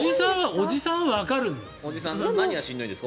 おじさんの何がしんどいんですか？